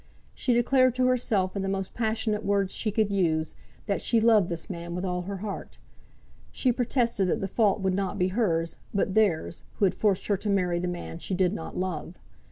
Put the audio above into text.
She declared to herself, in the most passionate words she could use, that she loved this man with all her heart. She protested that the fault would not be hers, but theirs, who had forced her to marry the man she did not love.